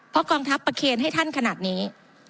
เพราะกองทัพประเคนให้ท่านขนาดนี้